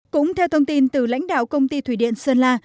cũng theo thông tin từ lãnh đạo công ty thủy điện sơn la